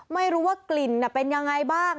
ไม่รู้ว่ากลิ่นเป็นยังไงบ้าง